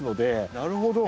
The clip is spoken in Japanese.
なるほど。